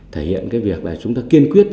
thể hiện cái việc là chúng ta kiên quyết